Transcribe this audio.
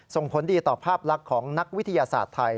ส่งผลดีต่อภาพลักษณ์ของนักวิทยาศาสตร์ไทย